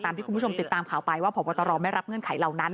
ที่คุณผู้ชมติดตามข่าวไปว่าพบตรไม่รับเงื่อนไขเหล่านั้น